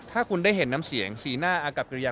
ถ้าคุณได้เห็นน้ำเสียงสีหน้าอากับกิริยา